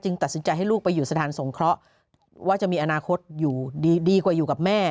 ตัดสินใจให้ลูกไปอยู่สถานสงเคราะห์ว่าจะมีอนาคตอยู่ดีกว่าอยู่กับแม่